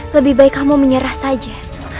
lebih baik kamu menyerah saja